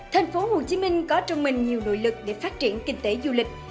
thành phố hồ chí minh có trong mình nhiều nội lực để phát triển kinh tế du lịch